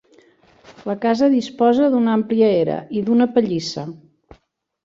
La casa disposa d'una àmplia era i d'una pallissa.